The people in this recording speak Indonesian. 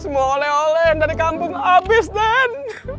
semua oleh oleh yang dari kampung abis den